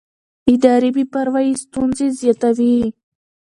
اداري بې پروایي ستونزې زیاتوي